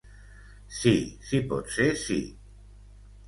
Sí, si pot ser sí.